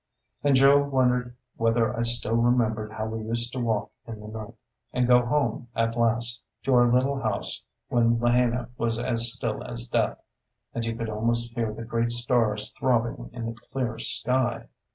And Joe wondered whether I still remembered how we used to walk in the night, and go home, at last, to our little house when Lahaina was as still as death, and you could almost hear the great stars throbbing in the clear sky!